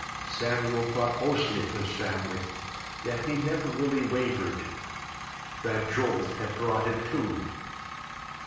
Samuel thought mostly of his family, yet he never really wavered. That jolt had brought him to.